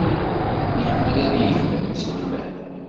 Iḥemmel ad yegmer iselman.